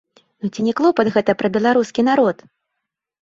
Ну ці не клопат гэта пра беларускі народ?